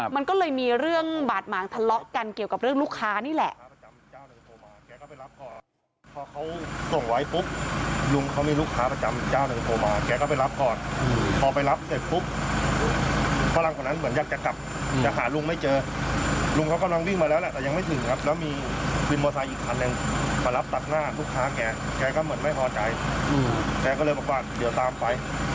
มันก็เลยมีเรื่องบาดหมางทะเลาะกันเกี่ยวกับเรื่องลูกค้านี่แหละ